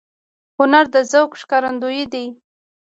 هنر د ذوق ښکارندوی دی